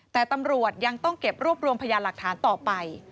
แต่ตำรวจยังต้องเก็บรวบรวมพยานหลักฐานต่อไป